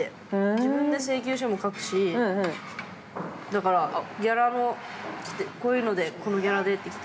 自分で請求書も書くし、ギャラも、こういうので、このギャラでって。